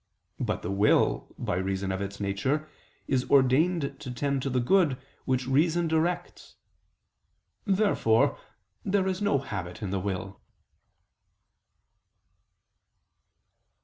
But the will, by reason of its nature, is ordained to tend to the good which reason directs. Therefore there is no habit in the will.